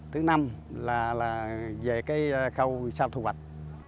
thứ năm là về cây cao sao thu vạch